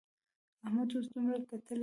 احمد اوس دومره ګټلې دي.